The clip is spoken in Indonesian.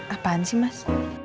apaan sih mas